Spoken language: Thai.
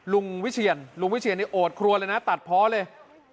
วิเชียนลุงวิเชียนนี่โอดครัวเลยนะตัดเพาะเลย